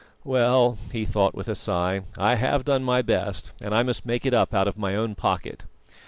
"Well," he thought, with a sigh, "I have done my best, and I must make it up out of my own pocket."